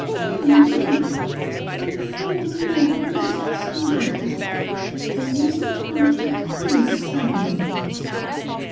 " Only a month — only four more blessed Sundays ! 0, Mr. Forde, that is sudden